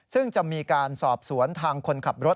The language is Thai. ซึ่งจะมีการสอบสวนทางคนขับรถ